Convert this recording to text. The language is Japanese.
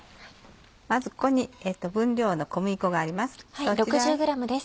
まずここに分量の小麦粉があります。